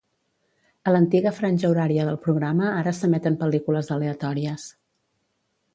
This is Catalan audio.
A l'antiga franja horària del programa ara s'emeten pel·lícules aleatòries.